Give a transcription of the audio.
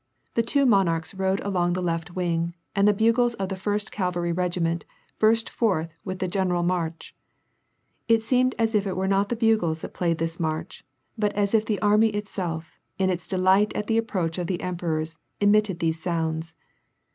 The two monarchs rode along the left wing, and the bugles of the First Cavalry Regiment burst forth with the genemlr marsck. It seemed as if it were not the bugles that played this march, but as if the army itself, in its delight at the approach of the emperors, emitted these sounds.